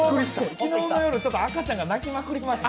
昨日夜、赤ちゃんが泣きまくりまして。